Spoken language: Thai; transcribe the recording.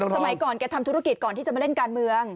สมัยก่อนแกทำธุรกิจก่อนที่จะมาเล่นการเมือง